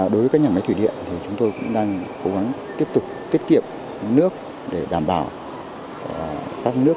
đối với các nhà máy thủy điện thì chúng tôi cũng đang cố gắng tiếp tục tiết kiệm nước để đảm bảo các nước